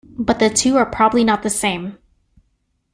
But the two are probably not the same.